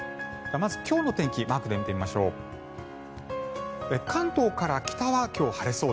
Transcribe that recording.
まず今日の天気をマークで見てみましょう。